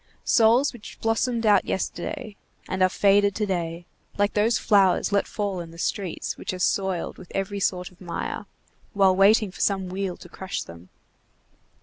Souls which blossomed out yesterday, and are faded to day, like those flowers let fall in the streets, which are soiled with every sort of mire, while waiting for some wheel to crush them.